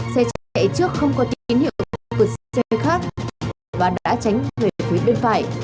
xe chạy trước không có tín hiệu vượt xe khác và đã tránh về phía bên phải